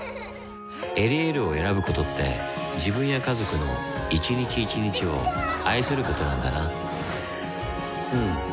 「エリエール」を選ぶことって自分や家族の一日一日を愛することなんだなうん。